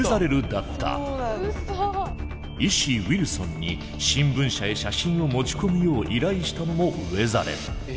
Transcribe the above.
医師ウィルソンに新聞社へ写真を持ち込むよう依頼したのもウェザレル。